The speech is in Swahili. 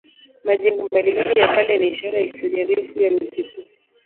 Majengo mbalimbali ya kale ni ishara ya historia ndefu ya mji huu.